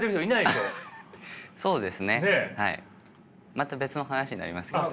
また別の話になりますけどね。